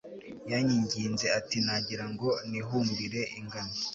yanyinginze ati nagira ngo nihumbire ingano